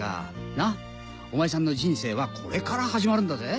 なっお前さんの人生はこれから始まるんだぜ。